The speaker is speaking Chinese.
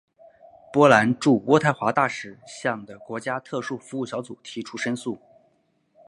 波兰驻渥太华大使向的国家特殊服务小组提出申诉。